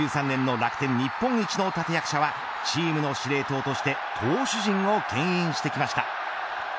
２０１３年の楽天日本一の立て役者はチームの司令塔として投手陣をけん引してきました。